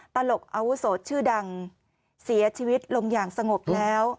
ตลกอาวุโสชื่อดังเสียชีวิตลงอย่างสงบแล้ว